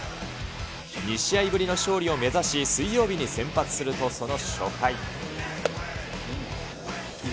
２試合ぶりの勝利を目指し、水曜日に先発すると、その初回。